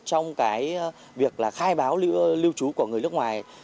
trong việc khai báo lưu trú của người nước ngoài